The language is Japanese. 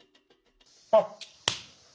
あっ。